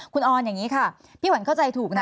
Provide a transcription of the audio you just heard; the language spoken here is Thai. คุณออนอย่างนี้ค่ะพี่ขวัญเข้าใจถูกนะ